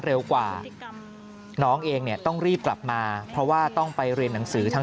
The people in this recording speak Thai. เร็วกว่าน้องเองเนี่ยต้องรีบกลับมาเพราะว่าต้องไปเรียนหนังสือทั้ง